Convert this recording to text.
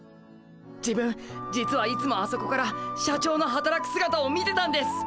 自分実はいつもあそこから社長のはたらくすがたを見てたんです。